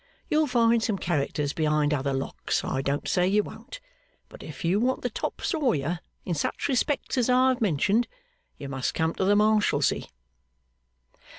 You'll find some characters behind other locks, I don't say you won't; but if you want the top sawyer in such respects as I've mentioned, you must come to the Marshalsea.